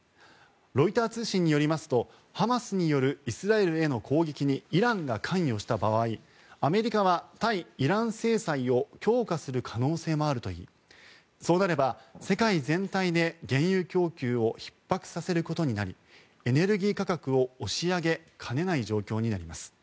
ロイター通信によりますとハマスによるイスラエルへの攻撃にイランが関与した場合アメリカは対イラン制裁を強化する可能性もあるといいそうなれば、世界全体で原油供給をひっ迫させることになりエネルギー価格を押し上げかねない状況になります。